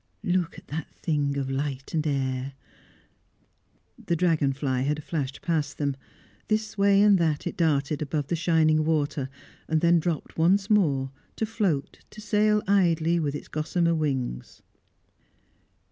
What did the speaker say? look at that thing of light and air!" The dragon fly had flashed past them. This way and that it darted above the shining water, then dropped once more, to float, to sail idly with its gossamer wings.